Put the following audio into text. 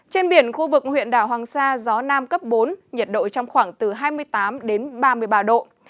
trên biển khu vực huyện đảo hoàng sa gió nam cấp bốn nhiệt độ trong khoảng từ hai mươi tám đến ba mươi ba độ